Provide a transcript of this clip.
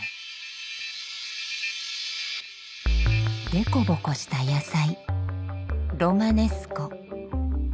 でこぼこした野菜ロマネスコ。